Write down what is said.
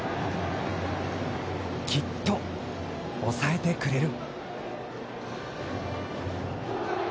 きっと抑えてくれる。